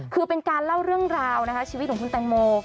คือเป็นการเล่าเรื่องราวนะคะชีวิตของคุณแตงโม